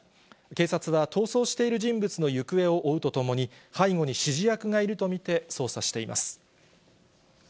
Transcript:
警察は逃走している人物の行方を追うとともに、背後に指示役がいると見て捜査しています。